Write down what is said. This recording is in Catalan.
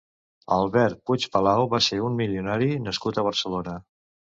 Albert Puig Palau va ser un milionari nascut a Barcelona.